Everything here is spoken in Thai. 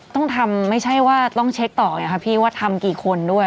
ต้องทำไม่ใช่ว่าต้องเช็คต่อไงค่ะพี่ว่าทำกี่คนด้วย